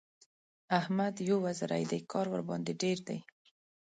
احمد يو وزری دی؛ کار ورباندې ډېر دی.